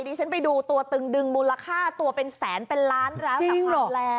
ฉันไปดูตัวตึงดึงมูลค่าตัวเป็นแสนเป็นล้านแล้วสำหรับโรงแรม